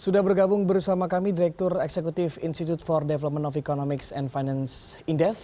sudah bergabung bersama kami direktur eksekutif institute for development of economics and finance indef